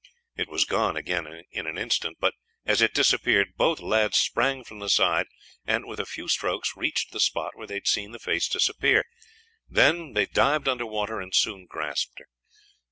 It was gone again in an instant, but, as it disappeared, both lads sprang from the side and with a few strokes reached the spot where they had seen the face disappear; then they dived under water and soon grasped her.